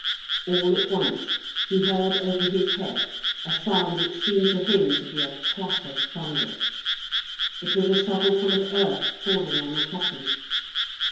All at once, he heard over his head a sound which seemed to him to be a clap of thunder. It was a shovelful of earth falling on the coffin.